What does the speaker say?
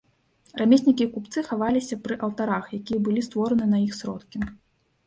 Рамеснікі і купцы хаваліся пры алтарах, якія былі створаны на іх сродкі.